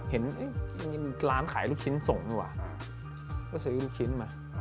เห็นร้านขายลูกชิ้นส่งดีกว่าก็ซื้อลูกชิ้นมา